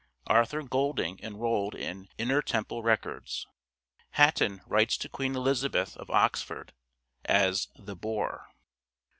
Arthur Golding enrolled in " Inner Temple Records." Hatton writes to Queen Elizabeth of Oxford (as " the boar ").